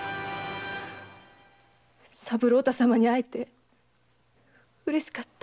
三郎太様に会えて嬉しかった。